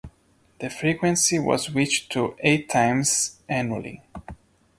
The frequency was switched to eight times annually.